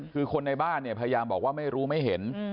คือคนในบ้านเนี่ยพยายามบอกว่าไม่รู้ไม่เห็น